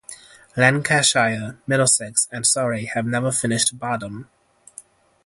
Lancashire, Middlesex, and Surrey have never finished bottom.